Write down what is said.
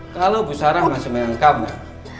kalau bu sarah masih menangkapnya